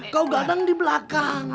kau gadang di belakang